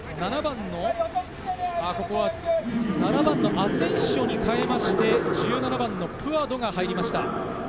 ７番のアセンシオに代わって１７番・プアドが入りました。